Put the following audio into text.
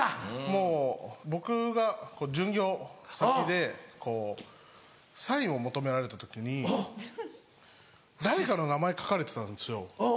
もう僕が巡業先でサインを求められた時に誰かの名前書かれてたんですよ